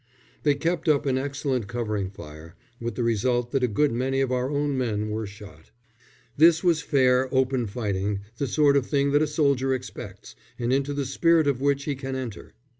They kept up an excellent covering fire, with the result that a good many of our own men were shot. This was fair, open fighting, the sort of thing that a soldier expects, and into the spirit of which he can enter.